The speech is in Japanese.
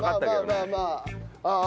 まあまあまあああ。